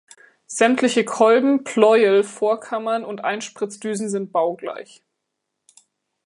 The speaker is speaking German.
Sämtliche Kolben, Pleuel, Vorkammern und Einspritzdüsen sind baugleich.